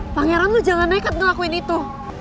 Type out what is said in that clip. pangeran lo jangan nekat ngelakuin itu